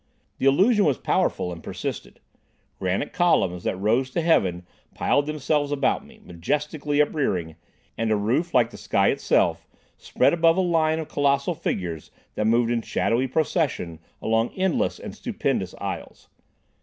The illusion was powerful, and persisted. Granite columns, that rose to heaven, piled themselves about me, majestically uprearing, and a roof like the sky itself spread above a line of colossal figures that moved in shadowy procession along endless and stupendous aisles.